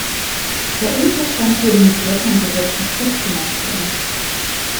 Der Unterstand wurde mit Blättern bedeckt, die "Put" genannt werden.